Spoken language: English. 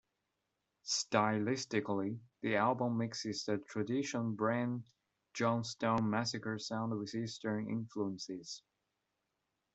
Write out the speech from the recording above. Stylistically, the album mixes the traditional Brian Jonestown Massacre sound with Eastern influences.